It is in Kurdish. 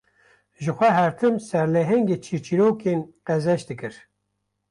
Jixwe her tim serlehengê çîrçîrokên qezenç dikir